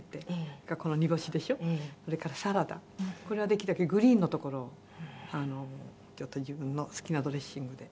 これはできるだけグリーンのところをちょっと自分の好きなドレッシングで。